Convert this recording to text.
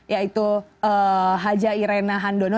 yaitu haja irena handono